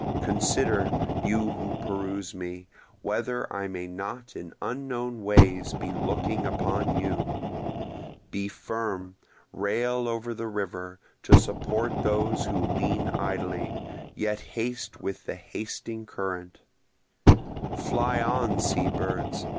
Consider, you who peruse me, whether I may not in unknown ways be looking upon you; Be firm, rail over the river, to support those who lean idly, yet haste with the hasting current; Fly on, sea birds!